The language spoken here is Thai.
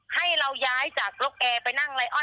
ให้เราย้ายจากโลกแอไปนั่งไลออน